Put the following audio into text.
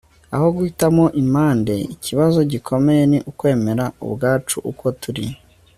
aho guhitamo impande. ikibazo gikomeye ni ukwemera ubwacu uko turi